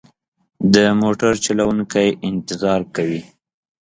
د موټر چلوونکی انتظار کوي.